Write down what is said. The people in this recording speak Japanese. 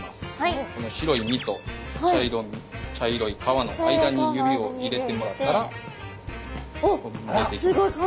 この白い身と茶色い皮の間に指を入れてもらったらむけていきます。